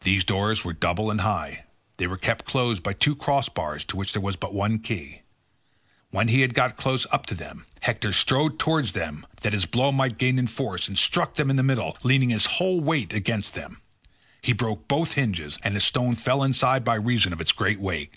These doors were double and high, and were kept closed by two cross bars to which there was but one key. When he had got close up to them, Hector strode towards them that his blow might gain in force and struck them in the middle, leaning his whole weight against them. He broke both hinges, and the stone fell inside by reason of its great weight.